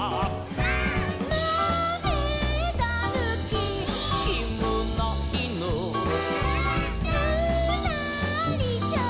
「まめだぬき」「」「きむないぬ」「」「ぬらりひょん」